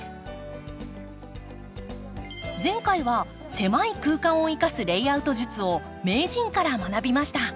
前回は狭い空間を生かすレイアウト術を名人から学びました。